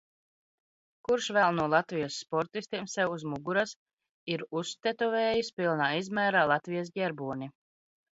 Kurš vēl no Latvijas sportistiem sev uz muguras ir uztetovējis pilnā izmērā Latvijas ģerboni?